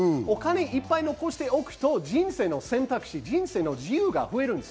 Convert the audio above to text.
いっぱい残しておくと、人生の選択肢、人生の自由が増える。